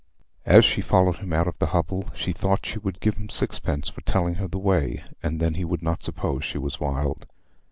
As she followed him out of the hovel she thought she would give him a sixpence for telling her the way, and then he would not suppose she was wild.